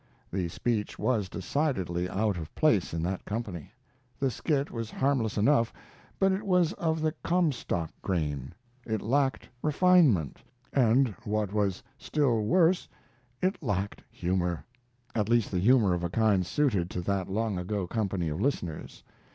The speech was decidedly out of place in that company. The skit was harmless enough, but it was of the Comstock grain. It lacked refinement, and, what was still worse, it lacked humor, at least the humor of a kind suited to that long ago company of listeners.